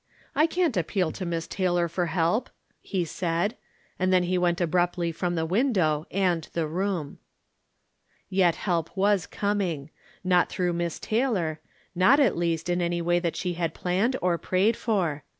" I can't appeal to Miss Taylor for help !" he said ; and then he went abruptly from the win dow and the room. Yet help was coming. Not tlurough Miss Tay lor ; not, at least, in any way she had planned or prayed for.